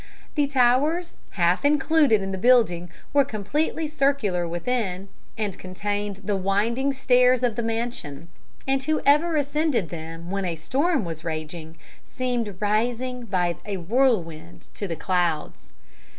"The towers, half included in the building, were completely circular within, and contained the winding stairs of the mansion; and whoever ascended them when a storm was raging seemed rising by a whirlwind to the clouds.